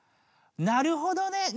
なるほどね！